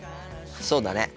そうだね。